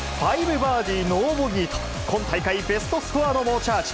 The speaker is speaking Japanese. ５バーディーノーボギーと、今回ベストスコアの猛チャージ。